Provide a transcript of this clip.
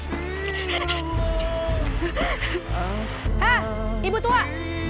hah ibu tua